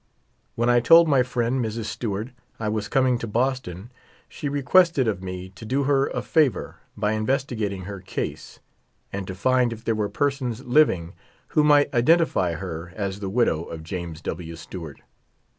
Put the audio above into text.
When I told my friend, ]\Irs. Stewart, I was coming to Boston she requested of me to do her a favor by investigating her case, and to find if there were persons living who might identify her as the widow of James W. Stewart.